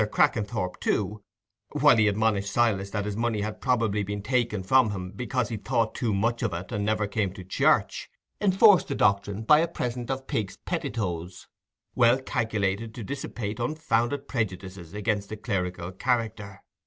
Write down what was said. Crackenthorp, too, while he admonished Silas that his money had probably been taken from him because he thought too much of it and never came to church, enforced the doctrine by a present of pigs' pettitoes, well calculated to dissipate unfounded prejudices against the clerical character.